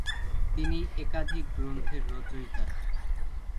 তিনি একাধিক গ্রন্থের রচয়িতা।